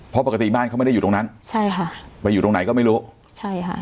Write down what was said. เพราะปกติบ้านเขาไม่ได้อยู่ตรงนั้นใช่ค่ะไปอยู่ตรงไหนก็ไม่รู้ใช่ค่ะ